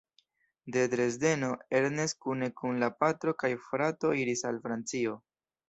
De Dresdeno Ernest kune kun la patro kaj frato iris al Francio.